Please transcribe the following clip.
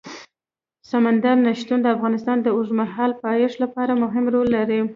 سمندر نه شتون د افغانستان د اوږدمهاله پایښت لپاره مهم رول لري.